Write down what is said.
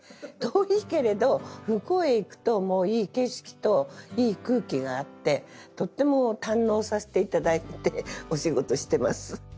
遠いけれど向こうへ行くともういい景色といい空気があってとっても堪能させていただいてお仕事してます。